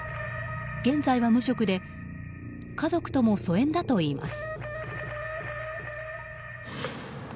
現在は無職で家族とも疎遠だといいます。